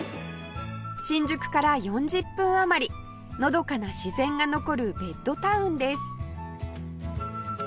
新宿から４０分余りのどかな自然が残るベッドタウンです